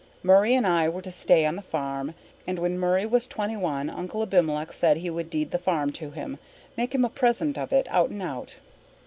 Murray and I were to stay on the farm, and when Murray was twenty one Uncle Abimelech said he would deed the farm to him make him a present of it out and out.